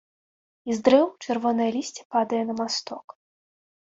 І з дрэў чырвонае лісце падае на масток.